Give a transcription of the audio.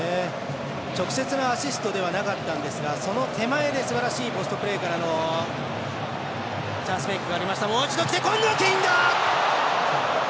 直接のアシストではなかったんですがその手前ですばらしいポストプレーからのチャンスメイクがありました。